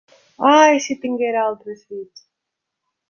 Ai, si tinguera altres fills...!